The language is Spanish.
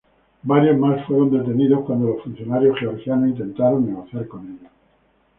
Varios más fueron detenidos cuando los funcionarios georgianos intentaron negociar con ellos.